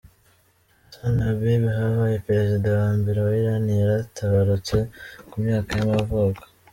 Hassan Habibi wabaye perezida wa mbere wa Iran yaratabarutse, ku myaka y’amavuko.